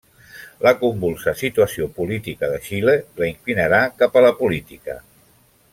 La convulsa situació política de Xile la inclinarà cap a la política.